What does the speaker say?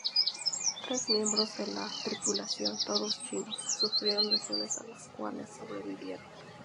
Tres miembros de la tripulación, todos chinos, sufrieron lesiones a las cuales sobrevivieron.